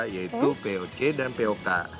yaitu poc dan pok